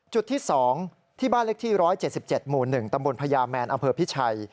จุดที่๒ที่บ้านเล็กที่๑๗๗หมู่๑ตำบลพญาแมนอำเภอพิชัย